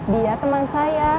dia teman saya